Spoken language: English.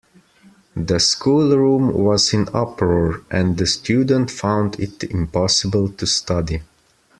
The schoolroom was in uproar, and the student found it impossible to study